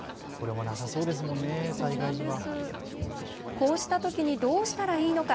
こうしたときにどうしたらいいのか。